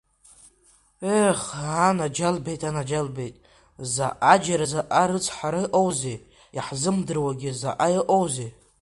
Ех, анаџьалбеит, анаџьалбеит, заҟаџьара заҟа рыцҳара ыҟоузеи, иаҳзымдыруагьы заҟа ыҟоузеи!